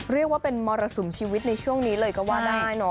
เรียกว่าเป็นมรสุมชีวิตในช่วงนี้เลยก็ว่าได้เนาะ